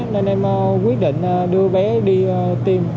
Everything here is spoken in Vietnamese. nên em quyết định đưa bé đi tiêm